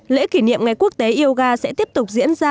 lễ kỷ niệm ngày quốc tế yoga sẽ tiếp tục diễn ra